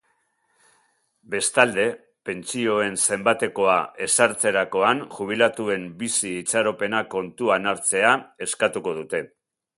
Bestalde, pentsioen zenbatekoa ezartzerakoan jubilatuen bizi-itxaropena kontuan hartzea eskatuko dute.